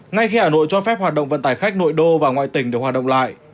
ngay khi hà nội cho phép hoạt động vận tải khách nội đô và ngoại tỉnh được hoạt động lại